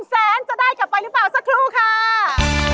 สำเร็จ๙๕๐๐บาทจะได้กลับไปหรือเปล่าดีกว่าครับ